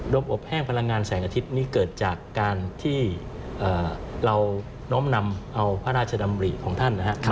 มอบแห้งพลังงานแสงอาทิตย์นี้เกิดจากการที่เราน้อมนำเอาพระราชดำริของท่านนะครับ